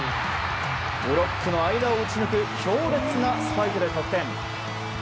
ブロックの合間を打ち抜く強烈なスパイクで得点。